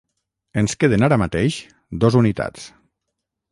Ens queden ara mateix dos unitats.